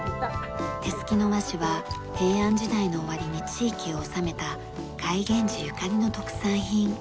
手すきの和紙は平安時代の終わりに地域を治めた甲斐源氏ゆかりの特産品。